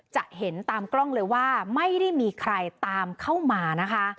จะเห็นตามกล้องเลยว่าไม่ได้มีใครตามเข้ามานะคะ